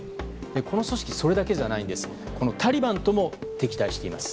この組織それだけじゃなくタリバンとも敵対しています。